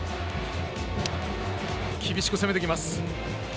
厳しく攻めてきます。